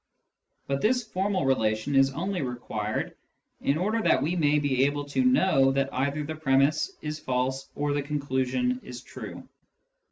But this formal relation is only required in order that we may be able to know that either the premiss is false or the conclusion is true.